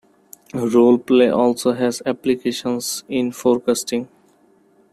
Role-play also has applications in forecasting.